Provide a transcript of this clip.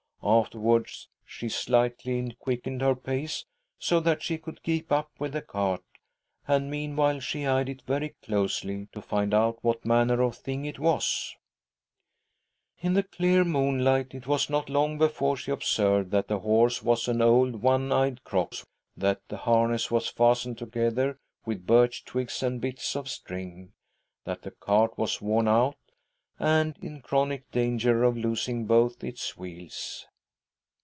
Afterwards she slightly quickened her pace so that she could keep up with the cart, and meanwhile she eyed it very closely to find out what manner of thing it was. In the clear moonlight it was not Jong before she observed that the horse was an old one eyed '••/.■.■■■ THE OLD WOMAN .ON THE ROADSIDE 137 crocks that the harness was fastened together with birch twigs and bits jof string, that the cart was worn out,. and in chronic danger of losing both its wheels.